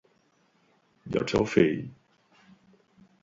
I el seu fill?